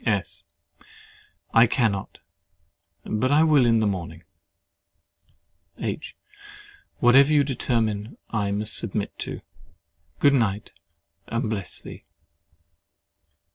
S. I cannot—but I will in the morning. H. Whatever you determine, I must submit to. Good night, and bless thee!